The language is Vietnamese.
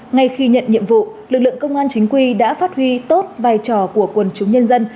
ngay khi nhận nhiệm vụ lực lượng công an chính quy đã phát huy tốt vai trò của quần chúng nhân dân